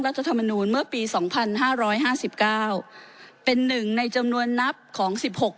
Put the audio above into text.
รัฐมนุนเมื่อปีสองพันห้าร้อยห้าสิบเก้าเป็นหนึ่งในจำนวนนับของสิบหก